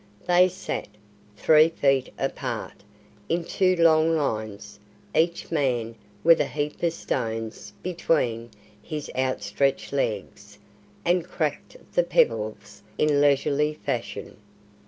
They sat, three feet apart, in two long lines, each man with a heap of stones between his outstretched legs, and cracked the pebbles in leisurely fashion.